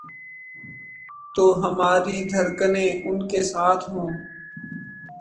تو ہماری دھڑکنیں ان کے ساتھ ہوں۔